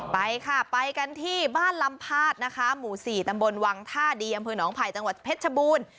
ไปค่ะไปกันที่บ้านลำพาดนะคะหมู่๔ตำบลวังท่าดีอำเภอหนองไผ่จังหวัดเพชรชบูรณ์